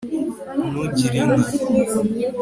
ntugire inka